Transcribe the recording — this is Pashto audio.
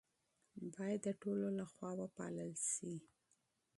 باید د ټولو لخوا وپالل شي.